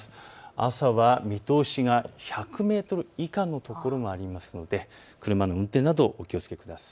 朝は見通しが１００メートル以下の所もありますので車の運転などお気をつけください。